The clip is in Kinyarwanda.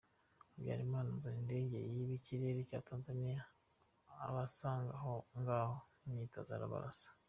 Habyarima azana indege yiba ikirere cya Tanzania abasanga aho ngaho ku myitozo arabarasa.